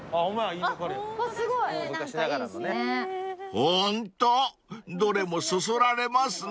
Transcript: ［ホントどれもそそられますね］